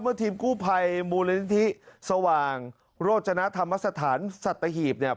ทีมกู้ภัยมูลนิธิสว่างโรจนธรรมสถานสัตหีบเนี่ย